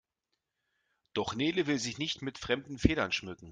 Doch Nele will sich nicht mit fremden Federn schmücken.